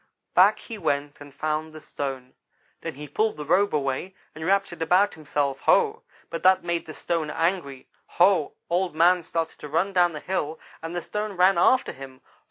"Back he went and found the stone. Then he pulled the robe away, and wrapped it about himself. Ho! but that made the stone angry Ho! Old man started to run down the hill, and the stone ran after him.